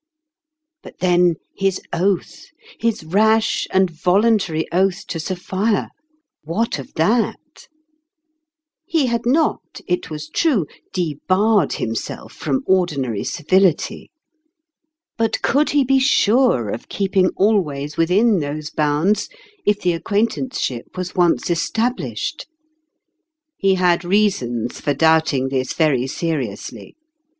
But then his oath his rash and voluntary oath to Sophia what of that ? He had not, it was true, debarred himself from ordinary civility ; but could he be sure of keeping 17 always within those bounds if the acquaint anceship was once established ? He had rea sons for doubting this very seriously.